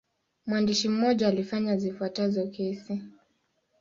Mwandishi mmoja alifanya zifuatazo kesi.